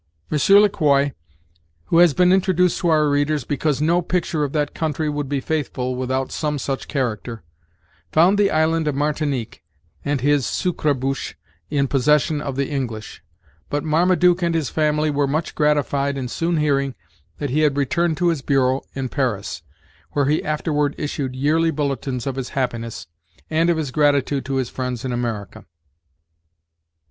Monsieur Le Quoi, who has been introduced to our readers because no picture of that country would be faithful without some such character, found the island of Martinique, and his "sucreboosh," in possession of the English but Marmaduke and his family were much gratified in soon hearing that he had returned to his bureau, in Paris; where he afterward issued yearly bulletins of his happiness, and of his gratitude to his friends in America.